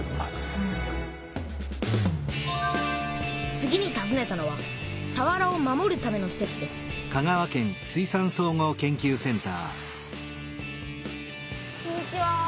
次にたずねたのはさわらを守るためのしせつですこんにちは。